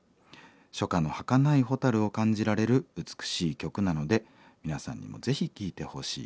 初夏のはかないホタルを感じられる美しい曲なので皆さんにもぜひ聴いてほしいです」。